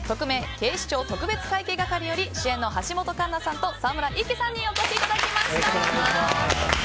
警視庁特別会計係」より主演の橋本環奈さんと沢村一樹さんにお越しいただきました。